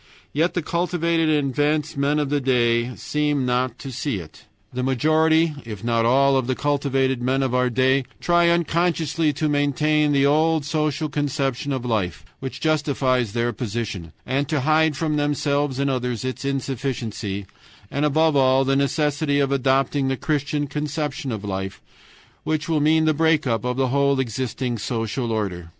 Yet the cultivated and advanced men of the day seem not to see it. The majority, if not all, of the cultivated men of our day try unconsciously to maintain the old social conception of life, which justifies their position, and to hide from themselves and others its insufficiency, and above all the necessity of adopting the Christian conception of life, which will mean the break up of the whole existing social order.